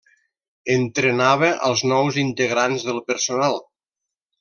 Entrenava als nous integrants del personal.